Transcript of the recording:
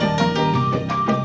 ke x masking cetak